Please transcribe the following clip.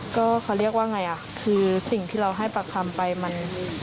ก็เขาเรียกว่าไงอ่ะคือสิ่งที่เราให้ปากคำไปมัน